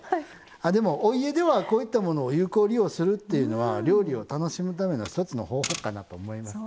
あでもお家ではこういったものを有効利用するっていうのは料理を楽しむための一つの方法かなと思いますね。